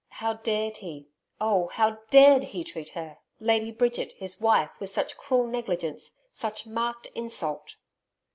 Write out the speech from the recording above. How dared he oh! how DARED he treat her, Lady Bridget, his wife, with such cruel negligence, such marked insult!